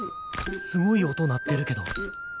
すごい音鳴ってるけど。